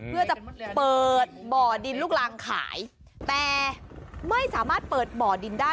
เพื่อจะเปิดบ่อดินลูกรังขายแต่ไม่สามารถเปิดบ่อดินได้